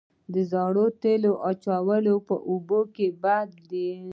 د زړو تیلو اچول په اوبو کې بد دي؟